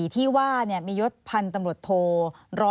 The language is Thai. ที่ว่ามียศพันธ์ตำรวจโท๑๐